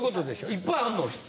いっぱいあんの？